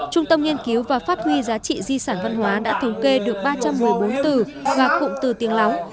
trung tâm nghiên cứu và phát huy giá trị di sản văn hóa đã thống kê được ba trăm một mươi bốn từ và cụm từ tiếng lóng